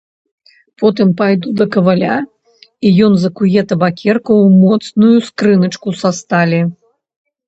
Потым пайду да каваля, і ён закуе табакерку ў моцную скрыначку са сталі.